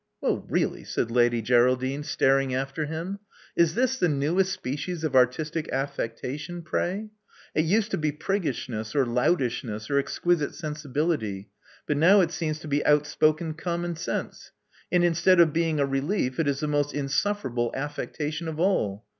• Well, really!" said Lady Geraldine, staring after him. Is this the newest species of artistic affecta tion, pray? It used to be prigg^shness, or loutish ness, or exquisite sensibility. But now it seems to be outspoken common sense; and instead of being a relief, it is the most insufferable affecta tion of all.